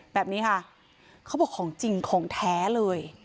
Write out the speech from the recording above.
แบบนี้ค่ะเขาบอกของจริงของแท้เลย